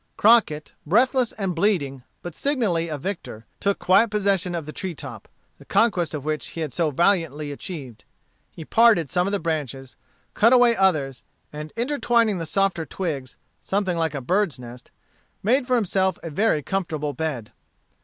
Crockett, breathless and bleeding, but signally a victor, took quiet possession of the treetop, the conquest of which he had so valiantly achieved. He parted some of the branches, cut away others, and intertwining the softer twigs, something like a bird's nest, made for himself a very comfortable bed.